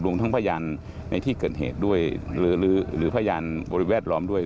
รวมทั้งพยานในที่เกิดเหตุด้วยหรือพยานบริเวณแวดล้อมด้วย